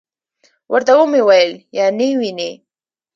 ورته ومي ویل: یا نې وینې .